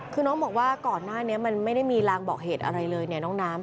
คือน้องบอกว่าก่อนหน้านี้มันไม่ได้มีรางบอกเหตุอะไรเลยเนี่ยน้องน้ำ